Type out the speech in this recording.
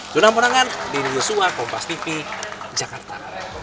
jurnal penangan di niusua kompas tv jakarta